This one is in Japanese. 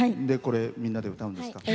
みんなで歌うんですか。